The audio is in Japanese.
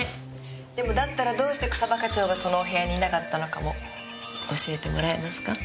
でもだったらどうして草葉課長がそのお部屋にいなかったのかも教えてもらえますか。